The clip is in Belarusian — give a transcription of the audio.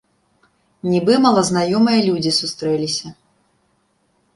Нібы малазнаёмыя людзі сустрэліся.